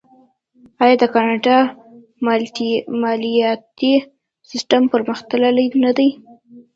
آیا د کاناډا مالیاتي سیستم پرمختللی نه دی؟